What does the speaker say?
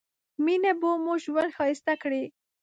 مينه به مو ژوند ښايسته کړي